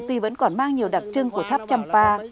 tuy vẫn còn mang nhiều đặc trưng của tháp trầm pa